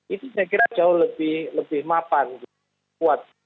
itu saya kira jauh lebih mapan kuat